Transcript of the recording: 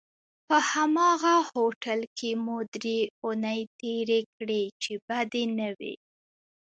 په هماغه هوټل کې مو درې اونۍ تېرې کړې چې بدې نه وې.